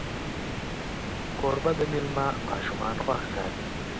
کوربه د میلمه ماشومان خوښ ساتي.